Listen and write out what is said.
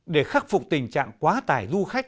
để khắc phục tình trạng quá tải du khách